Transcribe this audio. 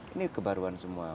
ini kebaruan semua